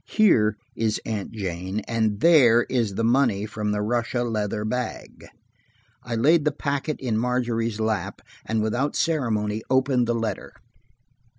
Here is Aunt Jane, and there is the money from the Russia leather bag." I laid the packet in Margery's lap, and without ceremony opened the letter.